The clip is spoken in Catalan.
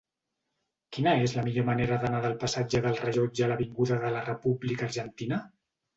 Quina és la millor manera d'anar del passatge del Rellotge a l'avinguda de la República Argentina?